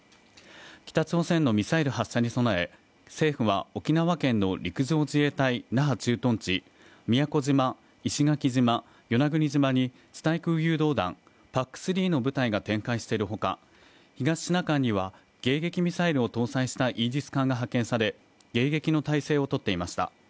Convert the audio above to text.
北朝鮮のミサイル発射に備え、政府は沖縄県の陸上自衛隊那覇駐屯地、宮古島、石垣島与那国島に地対空誘導弾ＰＡＣー３の部隊が展開しているほか東シナ海には迎撃ミサイルを搭載したイージス艦が派遣され迎撃の態勢をとっていました。